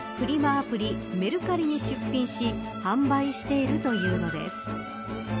アプリ、メルカリに出品し販売しているというのです。